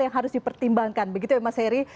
yang harus dipertimbangkan begitu ya mas heri